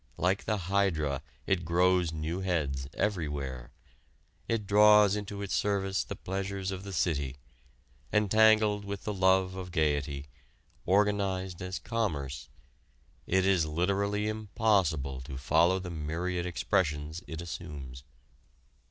Like the hydra, it grows new heads, everywhere. It draws into its service the pleasures of the city. Entangled with the love of gaiety, organized as commerce, it is literally impossible to follow the myriad expressions it assumes.